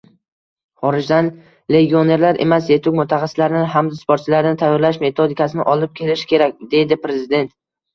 “Xorijdan legionerlar emas, yetuk mutaxassislarni hamda sportchilarni tayyorlash metodikasini olib kelish kerak” — deydi Prezident